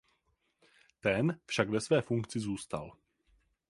Ten však ve své funkci zůstal.